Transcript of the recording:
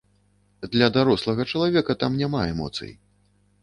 Для дарослага чалавека там няма эмоцый.